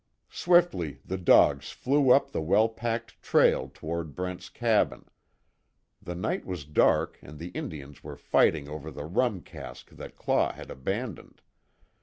Swiftly the dogs flew up the well packed trail toward Brent's cabin. The night was dark, and the Indians were fighting over the rum cask that Claw had abandoned.